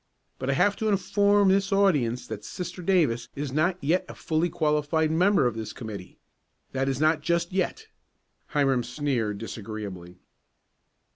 But I have to inform this audience that Sister Davis is not yet a fully qualified member of this committee. That is not just yet." Hiram sneered disagreeably.